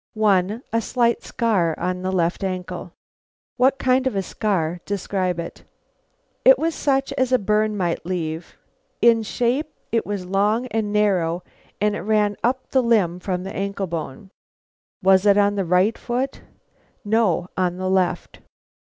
"One; a slight scar on the left ankle." "What kind of a scar? Describe it." "It was such as a burn might leave. In shape it was long and narrow, and it ran up the limb from the ankle bone." "Was it on the right foot?" "No; on the left."